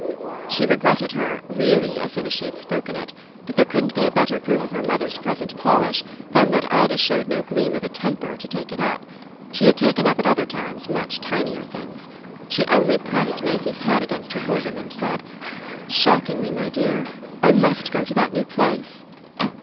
She regretted her "really" as soon as she had spoken it; but there couldn't be a better proof of her mother's present polish than that Ida showed no gleam of a temper to take it up. She had taken up at other times much tinier things. She only pressed Maisie's head against her bosom and said: "Shockingly, my dear. I must go to that new place."